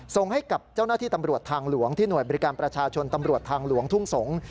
ส่งให้กับเจ้าหน้าที่ตำรวจทางหลวงที่หน่วยบริการประชาชนตำรวจทางหลวงทุ่งสงศ์